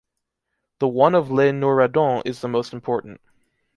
The one of Les Nourradons is the most important.